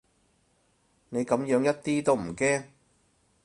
你噉樣一啲都唔知驚